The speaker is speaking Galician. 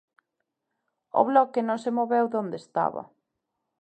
O Bloque "non se moveu de onde estaba".